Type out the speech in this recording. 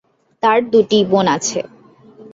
তার দুটি বোন আছে।